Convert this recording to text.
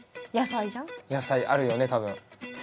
野菜あるよね多分。